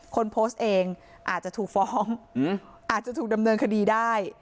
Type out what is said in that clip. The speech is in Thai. คนโพสต์เองอาจจะถูกฟ้องอาจจะถูกดำเนินคดีได้